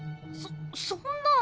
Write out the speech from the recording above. そそんな。